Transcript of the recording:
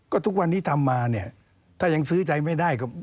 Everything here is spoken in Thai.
ก็ทุกวันนี้ทำมาเนี่ยถ้ายังซื้อใจไม่ได้ก็